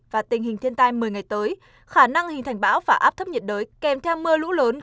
và tình hình thiên tai một mươi ngày tới khả năng hình thành bão và áp thấp nhiệt đới kèm theo mưa lũ lớn